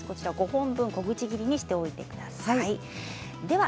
５個分小口切りにしておいてください。